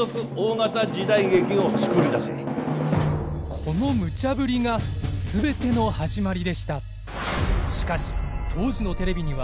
このムチャぶりが全ての始まりでした。